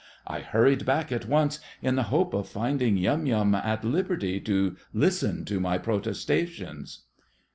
I hurried back at once, in the hope of finding Yum Yum at liberty to listen to my protestations.